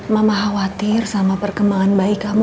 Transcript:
mama khawatir sama perkembangan bayi kamu